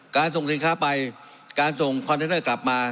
การส่งสินค้าไปการส่งคอนเทนเนอร์กลับมา